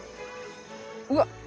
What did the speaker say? うわっ。